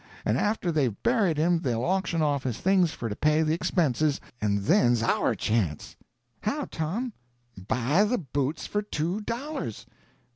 And after they've buried him they'll auction off his things for to pay the expenses, and then's our chance." "How, Tom?" "Buy the boots for two dollars!"